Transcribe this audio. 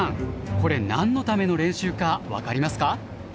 これ何のための練習か分かりますか？